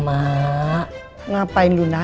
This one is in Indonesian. tulis seperti siapa